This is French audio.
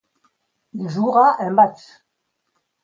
Il jouera un match.